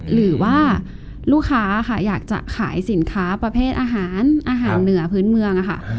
หรือว่าลูกค้าค่ะอยากจะขายสินค้าประเภทอาหารอาหารเหนือพื้นเมืองค่ะ